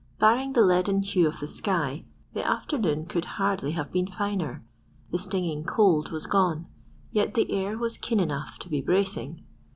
Barring the leaden hue of the sky, the afternoon could hardly have been finer. The stinging cold was gone, yet the air was keen enough to be bracing.